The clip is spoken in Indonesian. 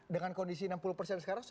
dengan kondisi enam puluh persen sekarang